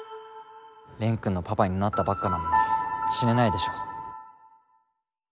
蓮くんのパパになったばっかなのに死ねないでしょ。